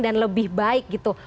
dan lebih baik gitu